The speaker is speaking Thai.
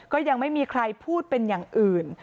ก็ยังไม่มีใครพูดเป็นอย่างอื่น